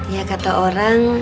ya kata orang